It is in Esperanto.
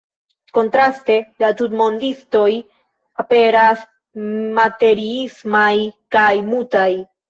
Kontraste, la tutmondistoj aperas materiismaj kaj mutaj.